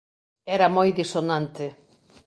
Era moi disonante.